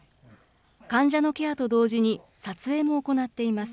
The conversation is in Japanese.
患者のケアと同時に撮影も行っています。